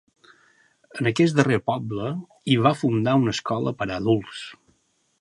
En aquest darrer poble hi va fundar una escola per a adults.